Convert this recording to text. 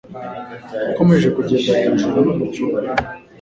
Yakomeje kugenda hejuru no mu cyumba.